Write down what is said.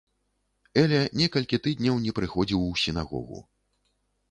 Эля некалькі тыдняў не прыходзіў у сінагогу.